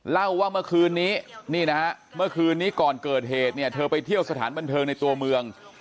เล่าว่าเมื่อคืนนี้นี่นะฮะเมื่อคืนนี้ก่อนเกิดเหตุเนี่ยเธอไปเที่ยวสถานบันเทิงในตัวเมือง